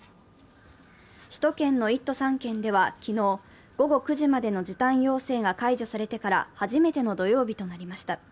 首都圏の１都３県では昨日、午後９時までの時短要請が解除されてから初めての土曜日となりました。